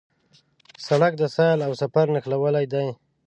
سړک د سیل او سفر نښلوی دی.